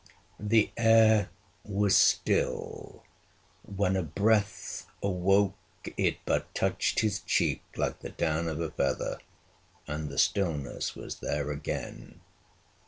The air was still; when a breath awoke, it but touched his cheek like the down of a feather, and the stillness was there again.